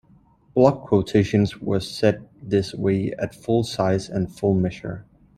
Block quotations were set this way at full size and full measure.